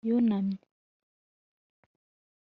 Yunamye